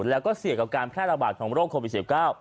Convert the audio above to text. แล้วก็เสี่ยงกับการแพร่ระบาดของโรคโควิด๑๙